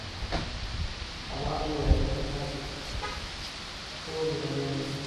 تواب وويل: دلته تورې ډبرې دي.